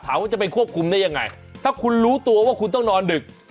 ว่าจะไปควบคุมได้ยังไงถ้าคุณรู้ตัวว่าคุณต้องนอนดึก